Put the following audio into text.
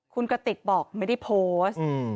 คุณกติกบอกไม่ได้โพสต์